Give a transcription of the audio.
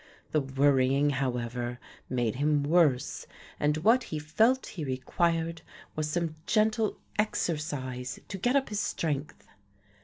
The worrying, however, made him worse and what he felt he required was some gentle exercise to get up his strength.